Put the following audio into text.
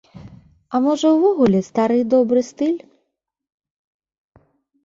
А можа ўвогуле стары добры стыль?